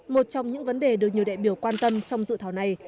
một trong những vấn đề được nhiều đại biểu quan tâm trong dự thảo này